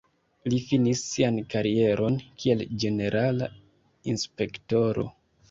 Li finis sian karieron kiel ĝenerala inspektoro.